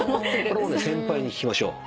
これは先輩に聞きましょう。